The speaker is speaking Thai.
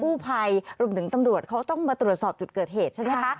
ภัยรวมถึงตำรวจเขาต้องมาตรวจสอบจุดเกิดเหตุใช่ไหมคะ